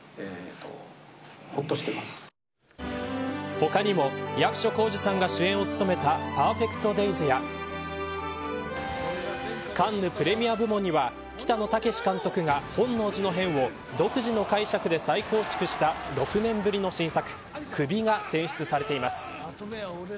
他にも役所広司さんが主演を務めたＰＥＲＦＥＣＴＤＡＹＳやカンヌ・プレミア部門には北野武監督が本能寺の変を独自の解釈で再構築した６年ぶりの新作首が選出されています。